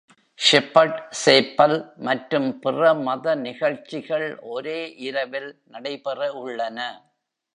"Shepherd Chapel" மற்றும் பிற மத நிகழ்ச்சிகள் ஒரே இரவில் நடைபெற உள்ளன.